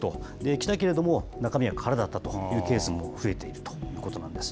行ったけれども、中身は空だったというケースも増えているということなんです。